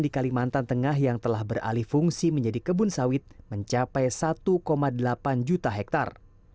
di kalimantan tengah yang telah beralih fungsi menjadi kebun sawit mencapai satu delapan juta hektare